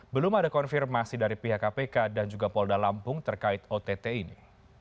belum ada konfirmasi dari pihak kpk dan juga polda lampung terkait ott ini